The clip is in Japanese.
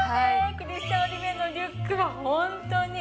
クリスチャン・オリビエのリュックは本当に。